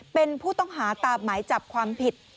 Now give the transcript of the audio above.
เป็นผู้ต้องหาตามหมายจับความผิด